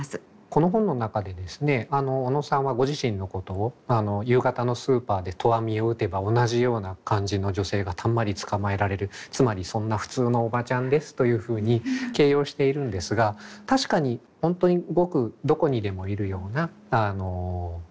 この本の中でですね小野さんはご自身のことを「夕方のスーパーで投網を打てば同じような感じの女性がたんまり捕まえられる、つまりそんな普通のおばちゃんです」というふうに形容しているんですが確かに本当にごくどこにでもいるような普通のね考え方を持つ。